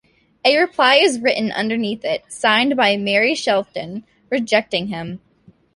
A reply is written underneath it, signed by Mary Shelton, rejecting him.